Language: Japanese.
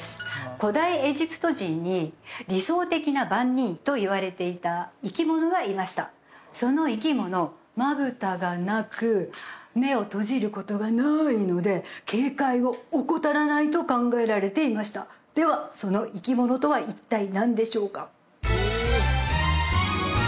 古代エジプト人に理想的な番人といわれていた生き物がいましたその生き物まぶたがなく目を閉じることがないので警戒を怠らないと考えられていましたではその生き物とは一体何でしょうか？